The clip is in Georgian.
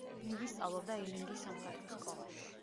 იგი სწავლობდა ილინგის სამხატვრო სკოლაში.